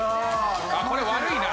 あっこれ悪いな。